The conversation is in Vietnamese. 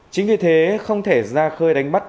chính vì thế không thể ra khơi đánh mất